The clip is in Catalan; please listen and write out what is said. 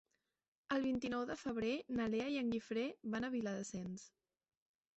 El vint-i-nou de febrer na Lea i en Guifré van a Viladasens.